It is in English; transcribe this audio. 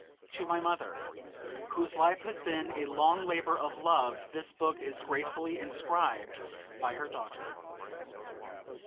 TO MY MOTHER, WHOSE LIFE HAS BEEN A LONG LABOR OF LOVE, THIS BOOK IS GRATEFULLY INSCRIBED BY HER DAUGHTER.